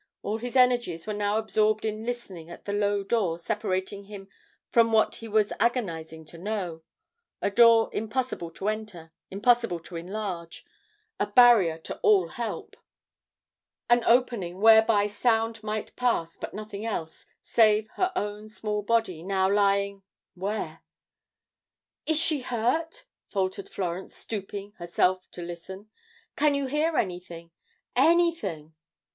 All his energies were now absorbed in listening at the low door separating him from what he was agonizing to know a door impossible to enter, impossible to enlarge a barrier to all help an opening whereby sound might pass but nothing else, save her own small body, now lying where? "Is she hurt?" faltered Florence, stooping, herself, to listen. "Can you hear anything anything?"